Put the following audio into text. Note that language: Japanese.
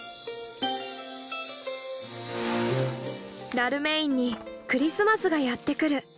ダルメインにクリスマスがやって来る。